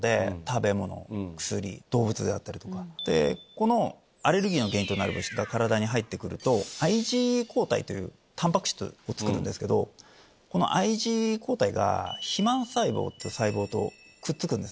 このアレルギーの原因となる物質が体に入ってくるとＩｇＥ抗体ってタンパク質を作るんですけどこのＩｇＥ抗体が肥満細胞って細胞とくっつく。